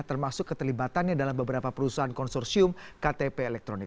termasuk keterlibatannya dalam beberapa perusahaan konsorsium ktp elektronik